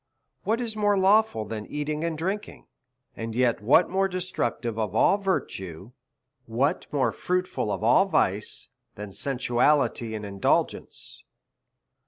What is more lawful than eating and drinking, and yet what more destructive of all virtue, what more fruitful of all vice, than sensuality and indulgence